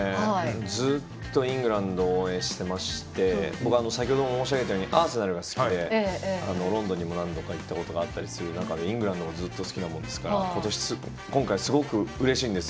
ずっとイングランドを応援していまして先程も申し上げたようにアーセナルが好きでロンドンにも何度か行ったりすることがある中でイングランドもずっと好きなもんですから今回すごくうれしいです。